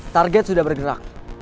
target sudah bergerak